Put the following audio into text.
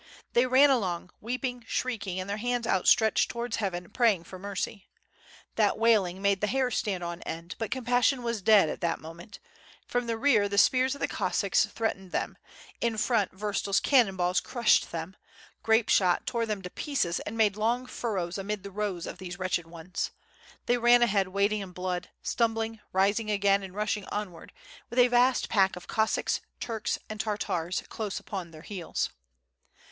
They ran along weeping, shrieking, and their hands outstretched towards heaven, praying for mercy. That wailing made the hair stand on end but compassion was dead at that moment; from the rear the spears of the Cossacks threatened them, in front Vurtsel's cannon balls crushed them, grape shot tore them to pieces and made long furrows amid the rows of these wretched ones; they ran ahead wading in blood, stumbling, rising again, and rushing onward, with a vast pack of Cos sacks, Turks, and Tartars close upon their heels.